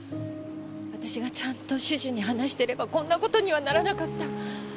私がちゃんと主人に話していればこんな事にはならなかった。